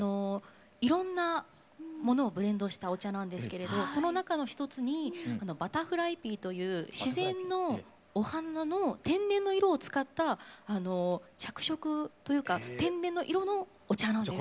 いろんなものをブレンドしたお茶なんですけれどその中の一つにバタフライピーという自然のお花の天然の色を使った着色というか天然の色のお茶なんです。